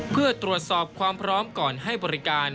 เพื่อตรวจสอบความพร้อมก่อนให้บริการ